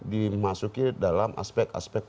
dimasuki dalam aspek aspek